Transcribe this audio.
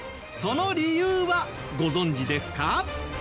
その理由はご存じですか？